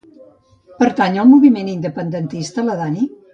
Pertany al moviment independentista la Dani?